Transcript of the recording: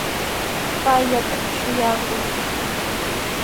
Payllatana shuyaakushun.